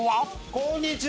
こんにちは。